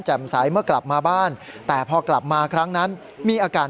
ใสเมื่อกลับมาบ้านแต่พอกลับมาครั้งนั้นมีอาการ